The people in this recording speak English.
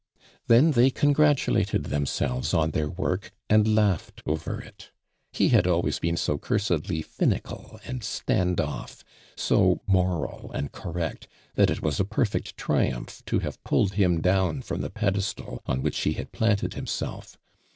Then they congratulate<l themselves on their work and laughed over it. He had always been so cursedly finical and stand oft'— so moral and correct, that it was a per fect triumph to have pulled him down from the pedestal on which he had planted him self.